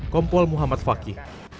kompol muhammad fakih